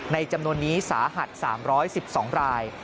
จำนวนนี้สาหัส๓๑๒ราย